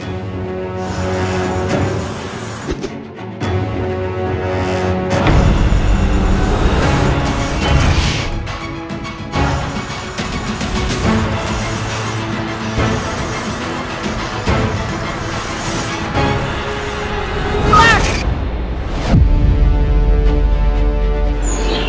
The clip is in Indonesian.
nimas rara santang